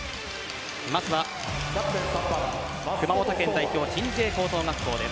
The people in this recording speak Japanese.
まずは熊本県代表鎮西高等学校です。